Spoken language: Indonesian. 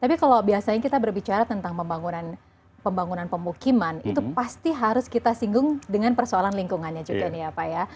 tapi kalau biasanya kita berbicara tentang pembangunan pemukiman itu pasti harus kita singgung dengan persoalan lingkungannya juga nih ya pak ya